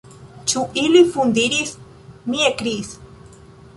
Ĉu ili fundiris!? mi ekkriis.